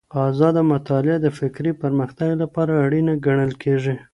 ازاده مطالعه د فکري پرمختګ لپاره اړينه ګڼل کېږي.